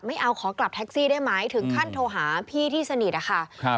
ไม่เอาขอกลับแท็กซี่ได้ไหมถึงขั้นโทรหาพี่ที่สนิทอะค่ะครับ